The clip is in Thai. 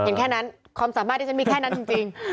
เห็นแค่นั้นความสามารถที่ฉันมีแค่นั้นจริง